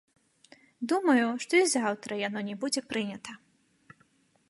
Думаю, што і заўтра яно не будзе прынята.